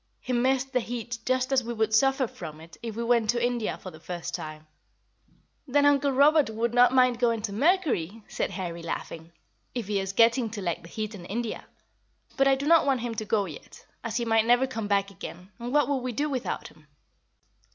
He missed the heat just as we would suffer from it if we went to India for the first time." [Illustration: COMPARATIVE SIZE OF SUN AS SEEN FROM THE PLANETS.] "Then Uncle Robert would not mind going to Mercury," said Harry, laughing, "if he is getting to like the heat in India. But I do not want him to go yet, as he might never come back again; and what would we do without him?"